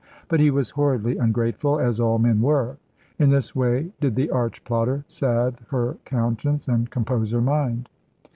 But he was horridly ungrateful, as all men were. In this way did the arch plotter salve her conscience and compose her mind.